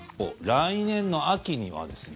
来年の秋にはですね